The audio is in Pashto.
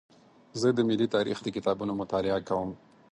زه د ملي تاریخ د کتابونو مطالعه کوم.